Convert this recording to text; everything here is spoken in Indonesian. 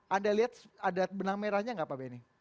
anda lihat ada benang merahnya nggak pak benny